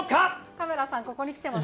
カメラさん、ここに来てます。